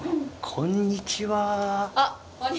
こんにちは。